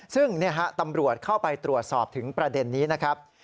ซึ่งตำรวจเข้าไปตรวจสอบถึงประเด็นนี้นะครับ